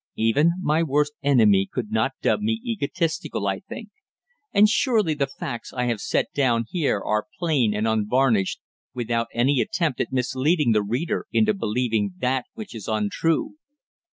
Even my worst enemy could not dub me egotistical, I think; and surely the facts I have set down here are plain and unvarnished, without any attempt at misleading the reader into believing that which is untrue.